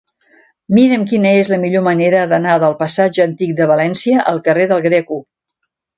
Mira'm quina és la millor manera d'anar del passatge Antic de València al carrer del Greco.